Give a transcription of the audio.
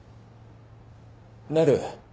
なる。